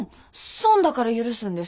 損だから許すんですか？